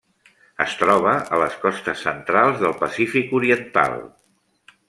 Es troba a les costes centrals del Pacífic oriental.